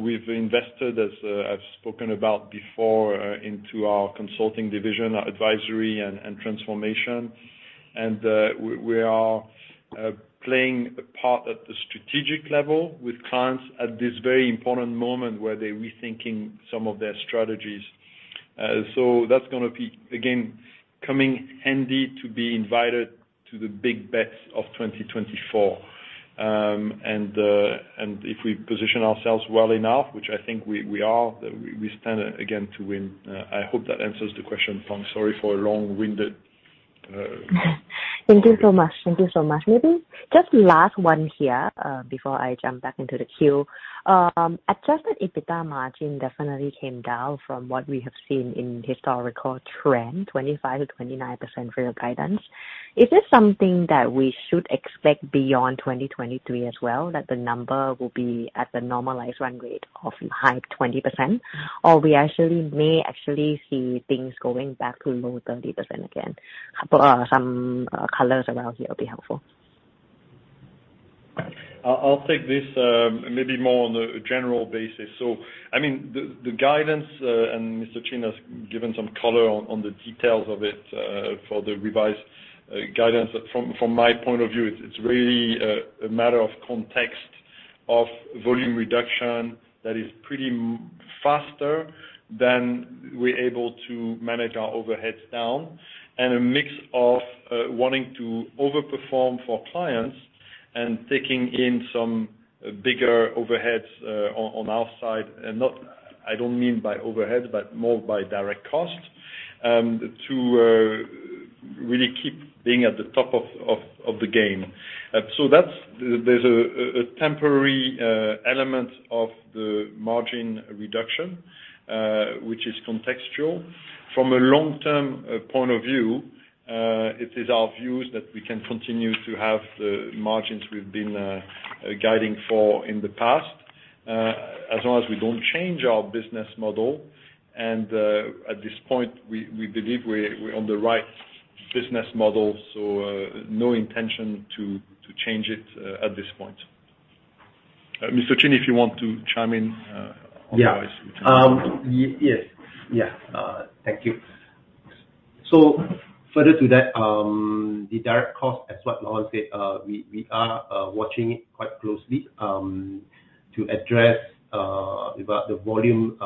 We've invested, as I've spoken about before, into our consulting division, our advisory and transformation. We are playing a part at the strategic level with clients at this very important moment where they're rethinking some of their strategies. So that's gonna be again coming handy to be invited to the big bets of 2024. If we position ourselves well enough, which I think we are, then we stand again to win. I hope that answers the question, Pang. Sorry for a long-winded. Thank you so much. Maybe just last one here, before I jump back into the queue. Adjusted EBITDA margin definitely came down from what we have seen in historical trend, 25%-29% for your guidance. Is this something that we should expect beyond 2023 as well, that the number will be at the normalized run rate of high 20%? Or we actually may actually see things going back to low 30% again? Some colors around here will be helpful. I'll take this, maybe more on a general basis. I mean, the guidance, and Mr. Chin has given some color on the details of it for the revised guidance. From my point of view, it's really a matter of context of volume reduction that is pretty faster than we're able to manage our overheads down and a mix of wanting to over-perform for clients and taking in some bigger overheads on our side. I don't mean by overheads, but more by direct cost to really keep being at the top of the game. That's. There's a temporary element of the margin reduction, which is contextual. From a long-term point of view, it is our views that we can continue to have the margins we've been guiding for in the past, as long as we don't change our business model. At this point, we believe we're on the right business model, so no intention to change it at this point. Mr. Chin, if you want to chime in. Yeah ...otherwise- Yes. Yeah. Thank you. Further to that, the direct cost as what Laurent said, we are watching it quite closely to address with the volume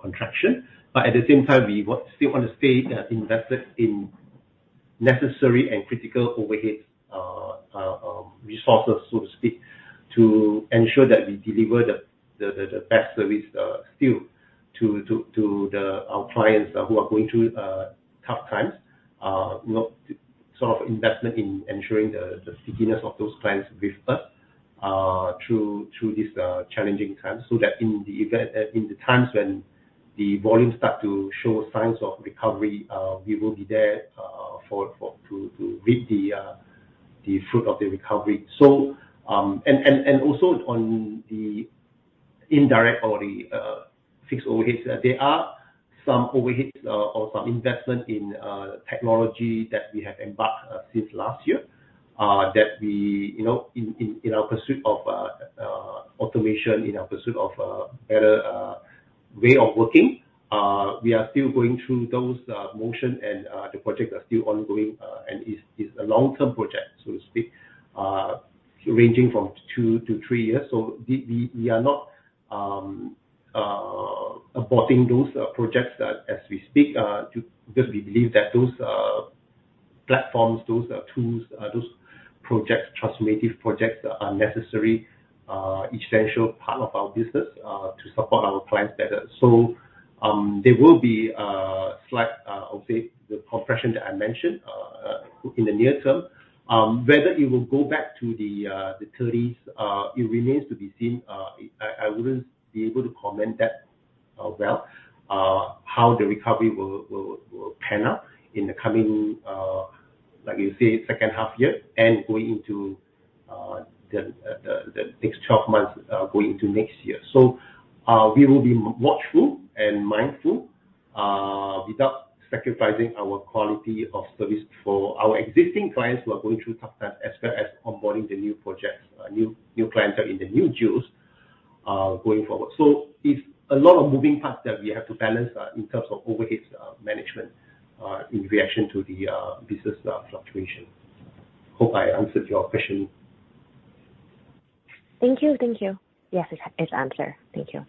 contraction. At the same time, we still wanna stay invested in necessary and critical overhead resources, so to speak, to ensure that we deliver the best service still to our clients who are going through tough times. You know, sort of investment in ensuring the stickiness of those clients with us through this challenging times, so that in the times when the volumes start to show signs of recovery, we will be there for to reap the fruit of the recovery. And also on the indirect or the fixed overheads, there are some overheads, or some investment in technology that we have embarked since last year, that we, you know, in our pursuit of automation, in our pursuit of a better way of working, we are still going through those motion and the projects are still ongoing. It's a long-term project, so to speak, ranging from two to three years. We are not aborting those projects as we speak, because we believe that those platforms, those tools, those projects, transformative projects are necessary, essential part of our business, to support our clients better. There will be a slight, I would say the compression that I mentioned, in the near term. Whether it will go back to the thirties, it remains to be seen. I wouldn't be able to comment that well how the recovery will pan out in the coming, like you say, second half year and going into the next 12 months, going into next year. We will be watchful and mindful without sacrificing our quality of service for our existing clients who are going through tough times, as well as onboarding the new projects, new clients that are in the new juice going forward. It's a lot of moving parts that we have to balance in terms of overheads, management, in reaction to the business fluctuation. Hope I answered your question. Thank you. Thank you. Yes, it's answered. Thank you.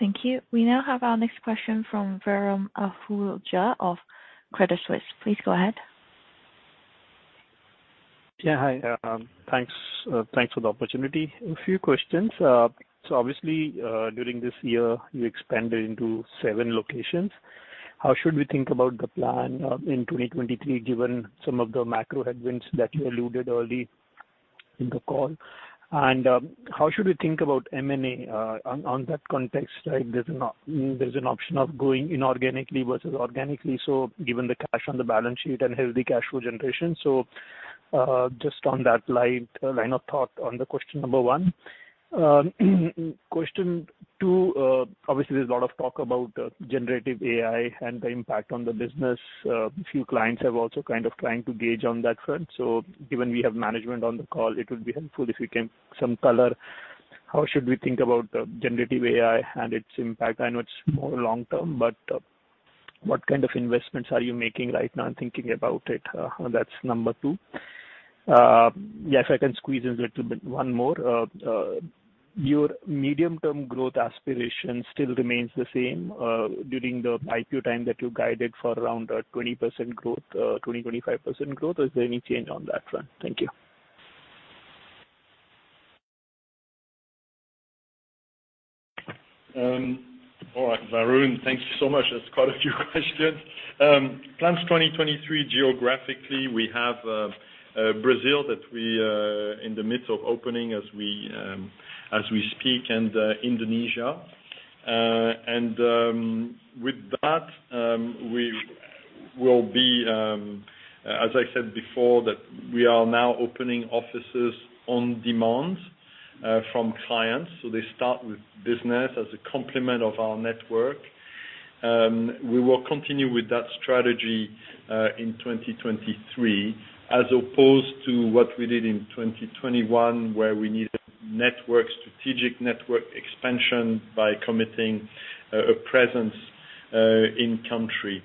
Thank you. We now have our next question from Varun Ahuja of Credit Suisse. Please go ahead. Yeah. Hi. Thanks, thanks for the opportunity. A few questions. Obviously, during this year, you expanded into seven locations. How should we think about the plan in 2023, given some of the macro headwinds that you alluded early in the call? How should we think about M&A on that context, right? There's an option of going inorganically versus organically. Given the cash on the balance sheet and healthy cash flow generation. Just on that line of thought on the question number one. Question two, obviously there's a lot of talk about generative AI and the impact on the business. A few clients have also kind of trying to gauge on that front. Given we have management on the call, it would be helpful if you can some color, how should we think about generative AI and its impact? I know it's more long-term, what kind of investments are you making right now in thinking about it? That's number two. Yes, I can squeeze in a little bit one more. Your medium-term growth aspiration still remains the same, during the IPO time that you guided for around 20% growth, 20%-25% growth. Is there any change on that front? Thank you. All right, Varun, thank you so much. That's quite a few questions. Plans 2023 geographically, we have Brazil that we in the midst of opening as we speak, and Indonesia. With that, we will be, as I said before, that we are now opening offices on demand from clients, so they start with business as a complement of our network. We will continue with that strategy in 2023, as opposed to what we did in 2021, where we needed network, strategic network expansion by committing a presence in country.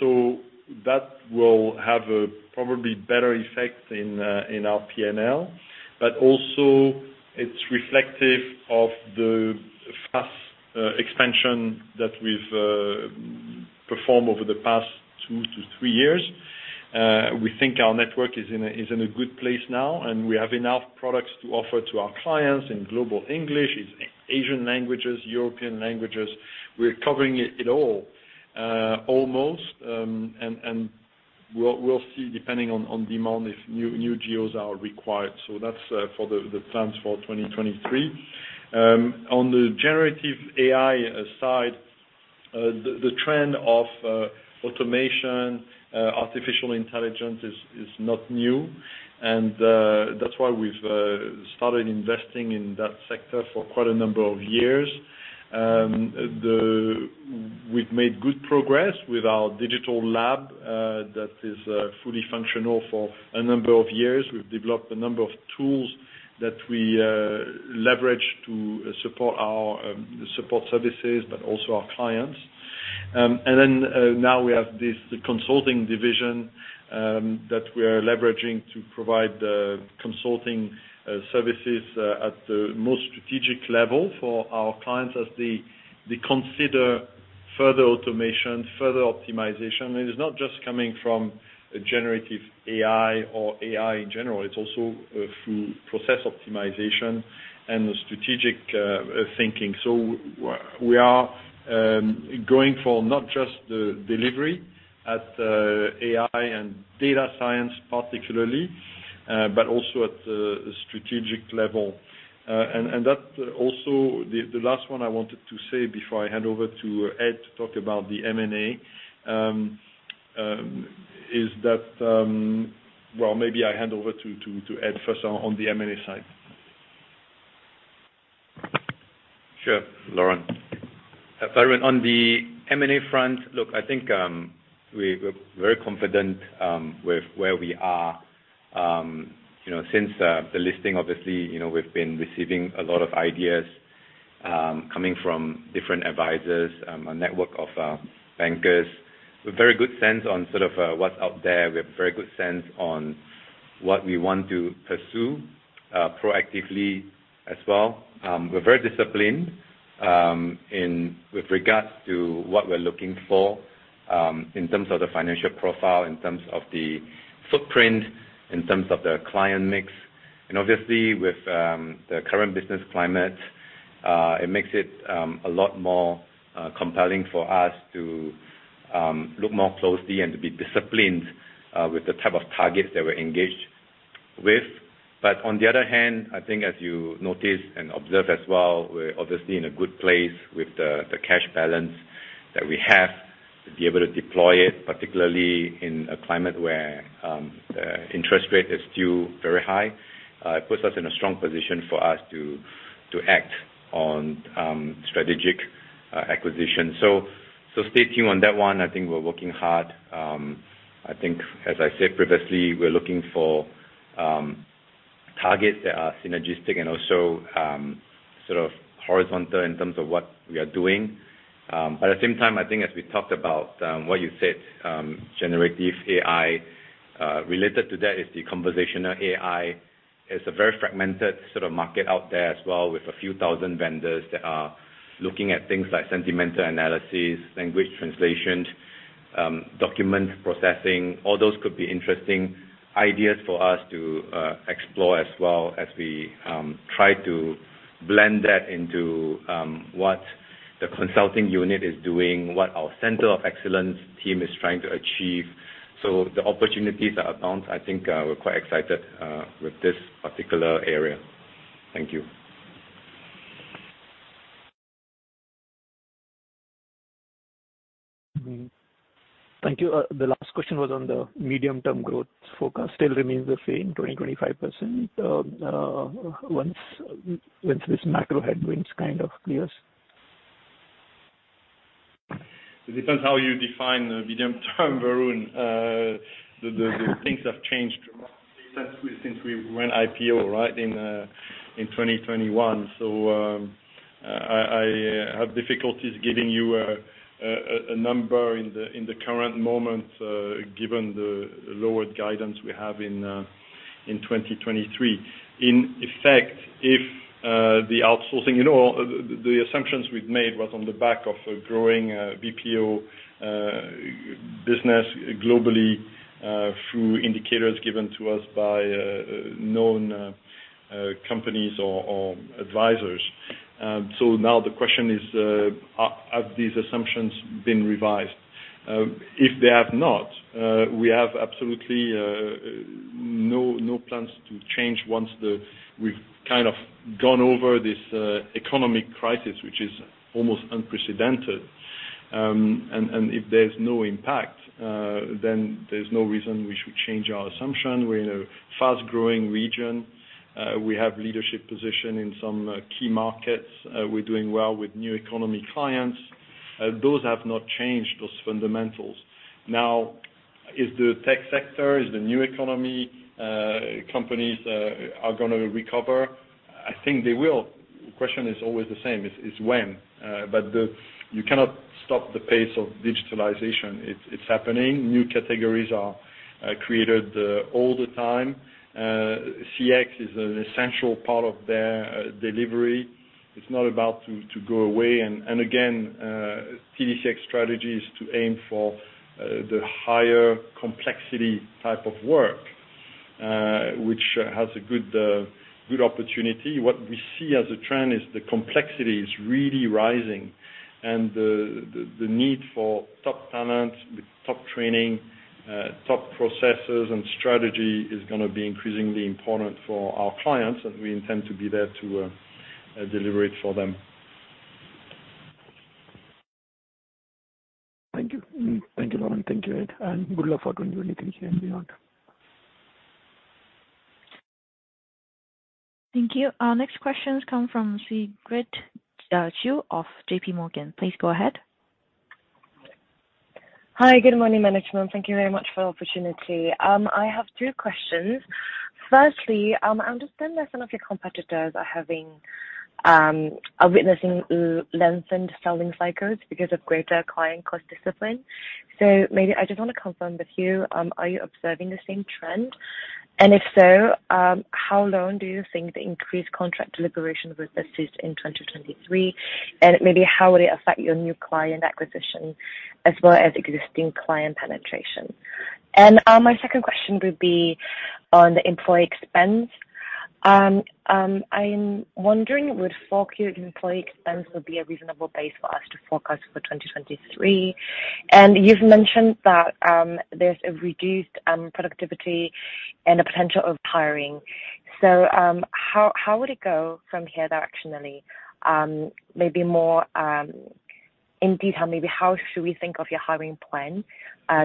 So that will have a probably better effect in our PNL, but also it's reflective of the fast expansion that we've performed over the past two to three years. We think our network is in a good place now. We have enough products to offer to our clients in global English, its Asian languages, European languages. We're covering it all almost. We'll see, depending on demand, if new geos are required. That's for the plans for 2023. On the generative AI side, the trend of automation, artificial intelligence is not new. That's why we've started investing in that sector for quite a number of years. We've made good progress with our Digital Lab that is fully functional for a number of years. We've developed a number of tools that we leverage to support our support services, also our clients. And then, now we have this consulting division that we are leveraging to provide consulting services at the most strategic level for our clients as they consider further automation, further optimization. And it's not just coming from a generative AI or AI in general, it's also through process optimization and strategic thinking. So we are going for not just the delivery at AI and data science particularly, but also at the strategic level. And that also the last one I wanted to say before I hand over to Ed to talk about the M&A, is that, well, maybe I hand over to Ed first on the M&A side. Sure. Laurent. Varun, on the M&A front, we're very confident with where we are. You know, since the listing, obviously, you know, we've been receiving a lot of ideas coming from different advisors, a network of bankers. We have very good sense on sort of what's out there. We have very good sense on what we want to pursue proactively as well. We're very disciplined in with regards to what we're looking for in terms of the financial profile, in terms of the footprint, in terms of the client mix. Obviously with the current business climate, it makes it a lot more compelling for us to look more closely and to be disciplined with the type of targets that we're engaged with. On the other hand, I think as you noticed and observed as well, we're obviously in a good place with the cash balance that we have to be able to deploy it, particularly in a climate where interest rate is still very high. It puts us in a strong position for us to act on strategic acquisition. Stay tuned on that one. I think we're working hard. I think as I said previously, we're looking for targets that are synergistic and also sort of horizontal in terms of what we are doing. At the same time, I think as we talked about what you said, generative AI, related to that is the conversational AI. It's a very fragmented sort of market out there as well, with a few thousand vendors that are looking at things like sentiment analysis, language translation, document processing. All those could be interesting ideas for us to explore as well as we try to blend that into what the consulting unit is doing, what our Center of Excellence team is trying to achieve. The opportunities are abound. I think, we're quite excited with this particular area. Thank you. Thank you. The last question was on the medium-term growth forecast still remains the same, 20-25%, once this macro headwinds kind of clears. It depends how you define the medium term, Varun. The things have changed dramatically since we went IPO, right, in 2021. I have difficulties giving you a number in the current moment, given the lowered guidance we have in 2023. In effect, if the outsourcing, you know, the assumptions we've made was on the back of a growing BPO business globally, through indicators given to us by known companies or advisors. Now the question is, have these assumptions been revised? If they have not, we have absolutely no plans to change once we've kind of gone over this economic crisis, which is almost unprecedented. If there's no impact, then there's no reason we should change our assumption. We're in a fast-growing region. We have leadership position in some key markets. We're doing well with new economy clients. Those have not changed those fundamentals. Is the tech sector, is the new economy, companies, are gonna recover? I think they will. The question is always the same, is when. You cannot stop the pace of digitalization. It's happening. New categories are created all the time. CX is an essential part of their delivery. It's not about to go away. Again, TDCX strategy is to aim for the higher complexity type of work, which has a good opportunity. What we see as a trend is the complexity is really rising, and the need for top talent with top training, top processes and strategy is gonna be increasingly important for our clients, and we intend to be there to deliver it for them. Thank you. Thank you, Laurent. Thank you, Ed. Good luck for 2023 and beyond. Thank you. Our next question comes from Sigrid Qiu of J.P. Morgan. Please go ahead. Hi, good morning, management. Thank you very much for the opportunity. I have two questions. Firstly, I understand that some of your competitors are witnessing lengthened selling cycles because of greater client cost discipline. Maybe I just want to confirm with you, are you observing the same trend? If so, how long do you think the increased contract deliberation will persist in 2023? Maybe how will it affect your new client acquisition as well as existing client penetration? My second question would be on the employee expense. I'm wondering would 4Q employee expense be a reasonable base for us to forecast for 2023. You've mentioned that there's a reduced productivity and a potential of hiring. How would it go from here directionally, maybe more in detail, how should we think of your hiring plan,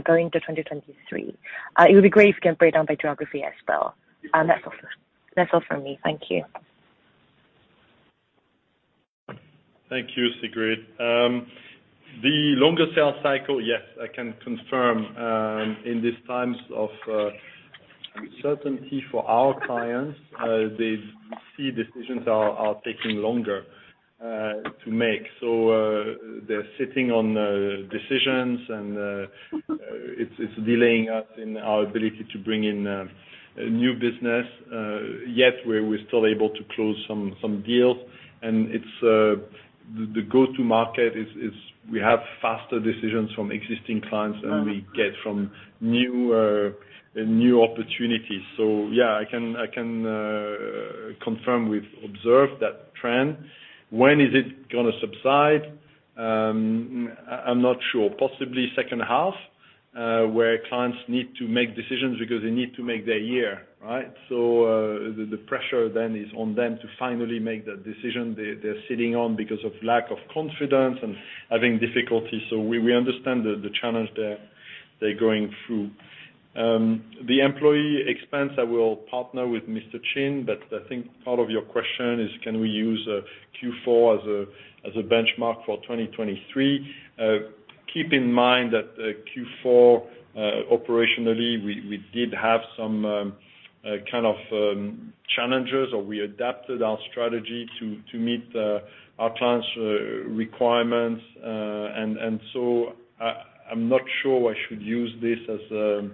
going to 2023? It would be great if you can break down by geography as well. That's all from me. Thank you. Thank you, Sigrid. The longer sales cycle, yes, I can confirm, in these times of uncertainty for our clients, we see decisions are taking longer to make. They're sitting on decisions and it's delaying us in our ability to bring in new business. Yet we're still able to close some deals. It's the go-to market is we have faster decisions from existing clients than we get from new opportunities. Yeah, I can confirm we've observed that trend. When is it gonna subside? I'm not sure. Possibly second half, where clients need to make decisions because they need to make their year, right? The pressure then is on them to finally make that decision they're sitting on because of lack of confidence and having difficulties. We understand the challenge they're going through. The employee expense, I will partner with Mr. Chin, but I think part of your question is can we use Q4 as a benchmark for 2023. Keep in mind that Q4 operationally, we did have some kind of challenges or we adapted our strategy to meet our clients' requirements. I'm not sure I should use this as the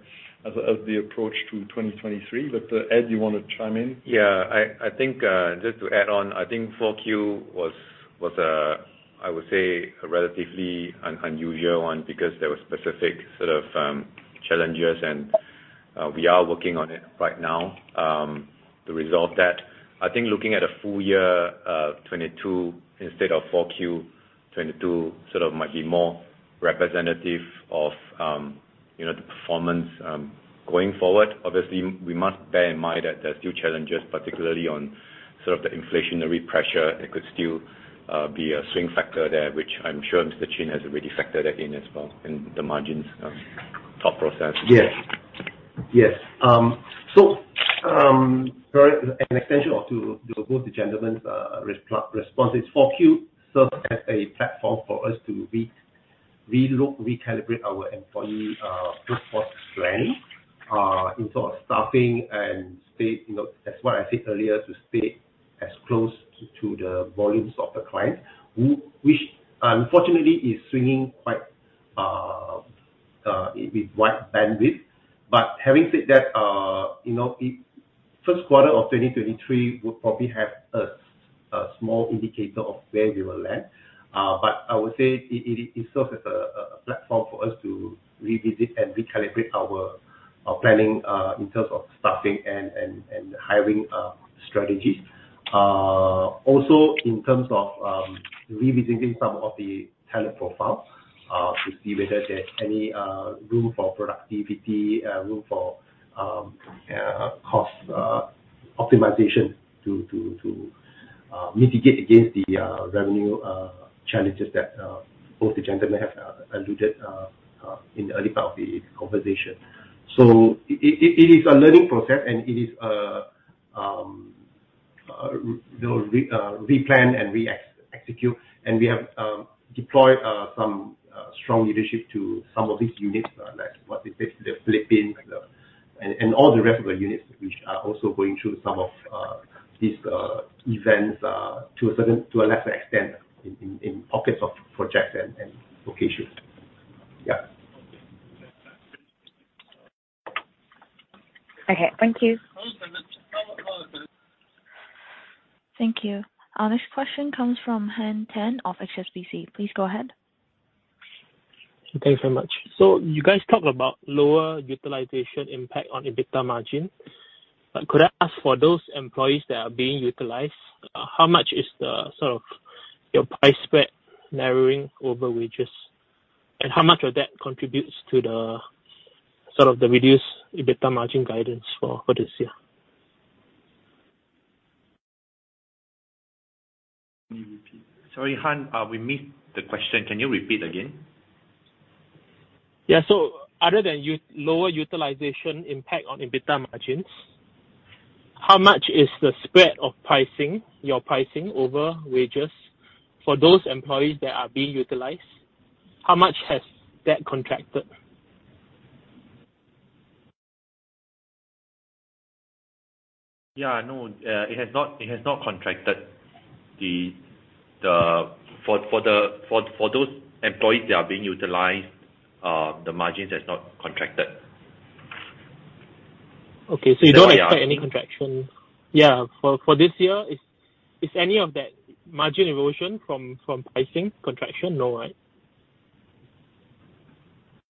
approach to 2023. Ed, you wanna chime in? Yeah. I think, just to add on, I think 4Q was, I would say a relatively unusual one because there were specific sort of, challenges and, we are working on it right now, to resolve that. I think looking at a full year, 2022 instead of 4Q 2022 sort of might be more representative of. You know, the performance, going forward. Obviously, we must bear in mind that there are still challenges, particularly on sort of the inflationary pressure. It could still be a swing factor there, which I'm sure Mr. Chin has already factored that in as well in the margins thought process. Yes. Yes. An extension of to both the gentlemen's responses, 4Q served as a platform for us to relook, recalibrate our employee workforce planning in terms of staffing and stay, you know, as what I said earlier, to stay as close to the volumes of the client, which unfortunately is swinging quite with wide bandwidth. Having said that, you know, Q1 of 2023 will probably have a small indicator of where we will land. I would say it serves as a platform for us to revisit and recalibrate our planning in terms of staffing and hiring strategies. Also in terms of revisiting some of the talent profiles to see whether there's any room for productivity, room for cost optimization to mitigate against the revenue challenges that both the gentlemen have alluded in the early part of the conversation. It is a learning process, and it is re-plan and re-execute. We have deployed some strong leadership to some of these units, like what they say, the Philippines and all the rest of the units which are also going through some of these events to a lesser extent in pockets of projects and locations. Okay. Thank you. Thank you. Next question comes from Han Tan of HSBC. Please go ahead. Thanks so much. You guys talked about lower utilization impact on EBITDA margin. Could I ask for those employees that are being utilized, how much is the sort of your price spread narrowing over wages? How much of that contributes to the sort of the reduced EBITDA margin guidance for this year? Sorry, Han, we missed the question. Can you repeat again? Yeah. Other than lower utilization impact on EBITDA margins, how much is the spread of pricing, your pricing over wages for those employees that are being utilized, how much has that contracted? Yeah, I know. it has not contracted For those employees that are being utilized, the margins has not contracted. Okay. You don't expect any contraction? Yeah, for this year, is any of that margin erosion from pricing contraction? No, right?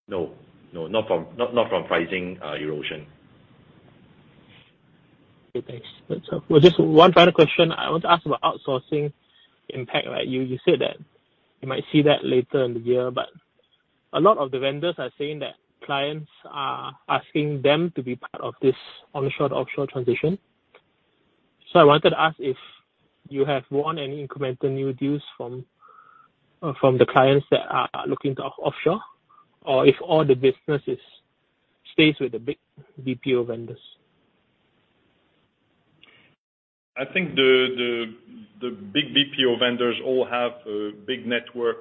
No. No, not from pricing, erosion. Okay, thanks. That's helpful. Just one final question. I want to ask about outsourcing impact, right? You said that you might see that later in the year, but a lot of the vendors are saying that clients are asking them to be part of this onshore-offshore transition. I wanted to ask if you have won any incremental new deals from the clients that are looking to offshore, or if all the businesses stays with the big BPO vendors? I think the big BPO vendors all have a big network,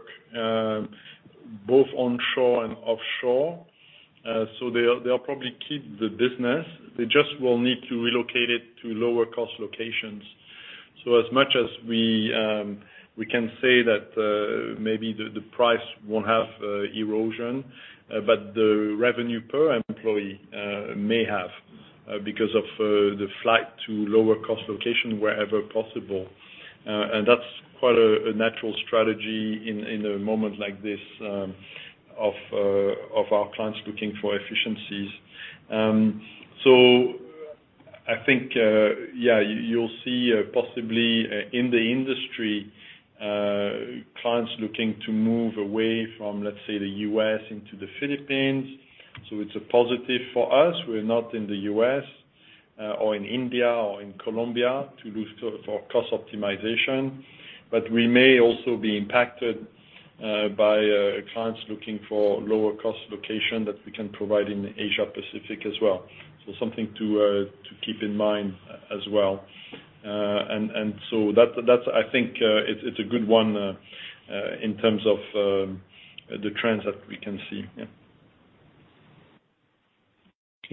both onshore and offshore. They'll probably keep the business. They just will need to relocate it to lower cost locations. As much as we can say that maybe the price won't have erosion, but the revenue per employee may have because of the flight to lower cost location wherever possible. That's quite a natural strategy in a moment like this of our clients looking for efficiencies. I think yeah, you'll see possibly in the industry clients looking to move away from, let's say, the US into the Philippines. It's a positive for us. We're not in the US, or in India or in Colombia to lose for cost optimization. We may also be impacted by clients looking for lower cost location that we can provide in Asia Pacific as well. Something to keep in mind as well. That's, that's I think, it's a good one in terms of the trends that we can see. Yeah.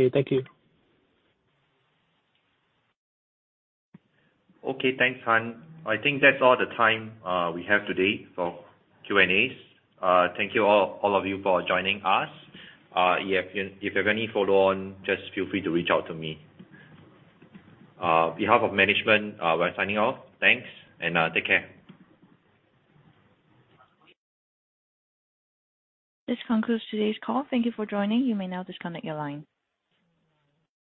Okay. Thank you. Okay. Thanks, Han. I think that's all the time, we have today for Q&As. Thank you all of you for joining us. Yeah, if you have any follow on, just feel free to reach out to me. Behalf of management, we're signing off. Thanks, and, take care. This concludes today's call. Thank you for joining. You may now disconnect your line.